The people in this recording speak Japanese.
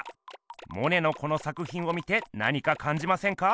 モネのこの作ひんを見て何かかんじませんか？